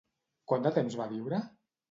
Quant de temps va viure?